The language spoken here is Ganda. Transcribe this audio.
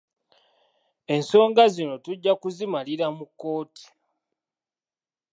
Ensonga zino tujja kuzimalira mu kkooti.